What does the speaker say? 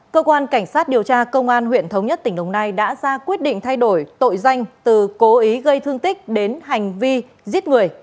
cơ quan cảnh sát điều tra công an huyện thống nhất tỉnh đồng nai đã ra quyết định thay đổi tội danh từ cố ý gây thương tích đến hành vi giết người